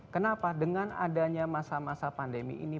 kenapa dengan adanya masa masa pandemi ini